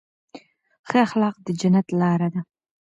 ښه اخلاق د جنت لاره ده.